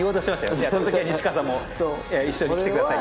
じゃそのときは西川さんも一緒に来てくださいよ。